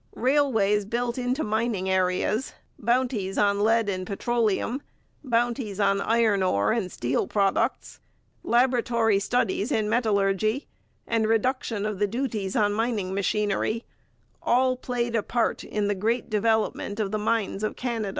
Railways built into mining areas, bounties on lead and petroleum, bounties on iron ore and steel products, laboratory studies in metallurgy, and reduction of the duties on mining machinery, all played a part in the great development of the mines of Canada which marked this era.